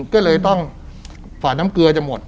ก็เลยต้องฝ่าน้ำเกลือจะหมด